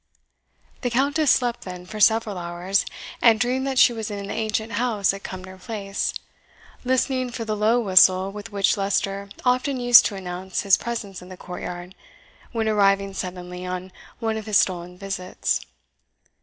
The Countess slept, then, for several hours, and dreamed that she was in the ancient house at Cumnor Place, listening for the low whistle with which Leicester often used to announce his presence in the courtyard when arriving suddenly on one of his stolen visits.